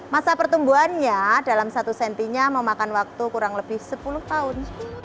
masa pertumbuhannya dalam satu sentinya memakan waktu kurang lebih sepuluh tahun